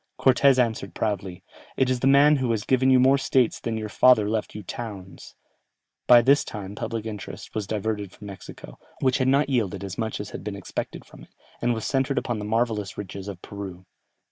Cortès answered proudly, "It is the man who has given you more States than your father left you Towns." By this time public interest was diverted from Mexico, which had not yielded as much as had been expected from it, and was centred upon the marvellous riches of Peru.